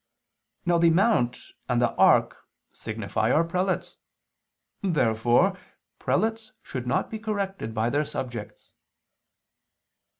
Now the mount and the ark signify our prelates. Therefore prelates should not be corrected by their subjects.